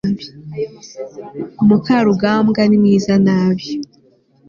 mukarugambwa ni mwiza nabi